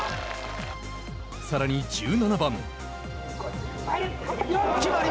さらに１７番。